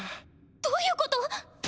どういうこと？